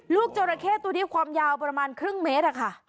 จราเข้ตัวนี้ความยาวประมาณครึ่งเมตรอะค่ะ